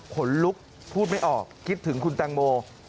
ขนลุกพูดไม่ออกคิดถึงคุณแตงโม